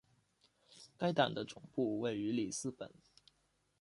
该党的总部位于里斯本。